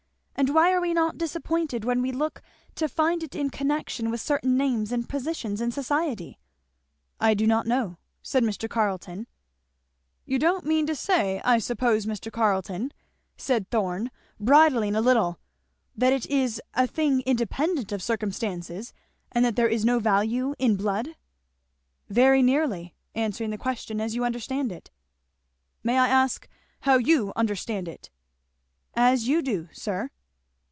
and why are we not disappointed when we look to find it in connection with certain names and positions in society?" "I do not know," said Mr. Carleton. "You don't mean to say, I suppose, Mr. Carleton," said Thorn bridling a little, "that it is a thing independent of circumstances, and that there is no value in blood?" "Very nearly answering the question as you understand it." "May I ask how you understand it?" "As you do, sir."